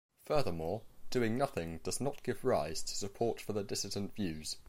Furthermore, doing nothing does not give rise to support for the dissident views.